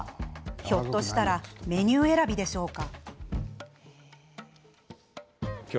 ひょっとしたらメニュー選びでしょうか？